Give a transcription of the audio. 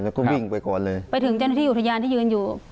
แล้วก็วิ่งไปก่อนเลยไปถึงเจ้าหน้าที่อุทยานที่ยืนอยู่